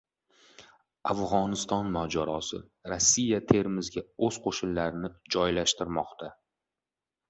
Afg‘oniston mojarosi: Rossiya Termizga o‘z qo‘shinlarini joylashtirmoqda